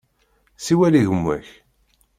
Siwel i gma-k.